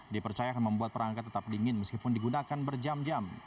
dipercayakan membuat perangkat tetap dingin meskipun digunakan berjam jam